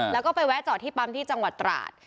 แล้วก็ไปแวะจอดที่ปั๊มที่จังหวัดตราด